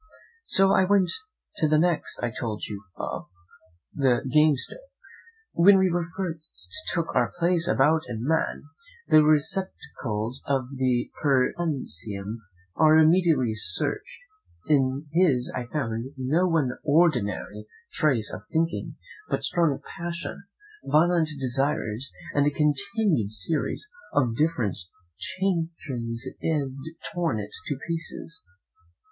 So I went to the next I told you of, the gamester. When we first take our place about a man, the receptacles of the pericranium are immediately searched. In his I found no one ordinary trace of thinking; but strong passion, violent desires, and a continued series of different changes had torn it to pieces.